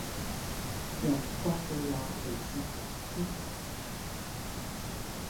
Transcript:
人各賦有理性良知